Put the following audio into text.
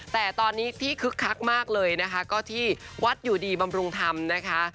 แต่ตอนนี้ที่คึกคักมากเลยนะคะก็ที่วัดอยู่ดีบำรุงธรรมนะคะ